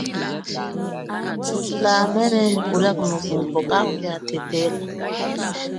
Thujila anene nyi kulia kumuvumbo kakuya hathethela.